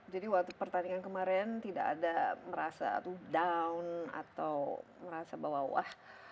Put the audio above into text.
jadi waktu pertandingan kemarin tidak ada merasa down atau merasa bawah bawah